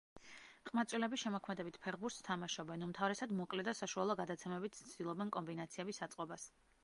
ყმაწვილები შემოქმედებით ფეხბურთს თამაშობენ, უმთავრესად მოკლე და საშუალო გადაცემებით ცდილობენ კომბინაციების აწყობას.